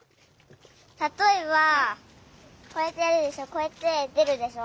たとえばこうやってやるでしょこうやってでるでしょ？